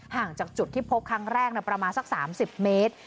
ห่างจากจุดที่พบครั้งแรกประมาณสัก๓๐เมตร